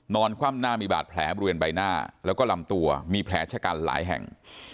คว่ำหน้ามีบาดแผลบริเวณใบหน้าแล้วก็ลำตัวมีแผลชะกันหลายแห่ง